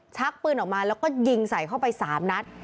ชักปืนออกมาแล้วก็ยิงใส่เข้าไป๓นัด